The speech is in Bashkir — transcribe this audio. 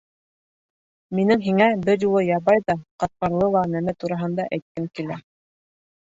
Минең һиңә бер юлы ябай ҙа, ҡатмарлы ла нәмә тураһында әйткем килә.